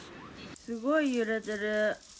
すごい揺れてる。